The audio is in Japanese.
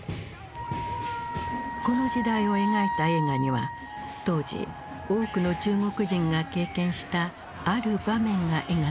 この時代を描いた映画には当時多くの中国人が経験したある場面が描かれている。